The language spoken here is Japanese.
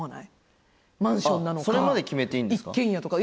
それまで決めていいんですか？